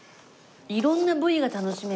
色んな部位が楽しめて。